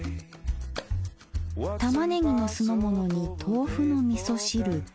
玉ねぎの酢の物に豆腐の味噌汁。